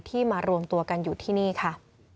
มารวมตัวกันอยู่ที่นี่ค่ะ